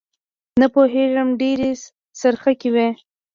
نه پوېېږم ډېرې څرخکې وې.